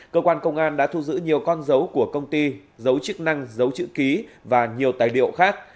cơ quan công an đã thu giữ nhiều con dấu của công ty dấu chức năng giấu chữ ký và nhiều tài liệu khác